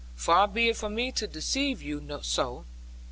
Far be it from me to deceive you so.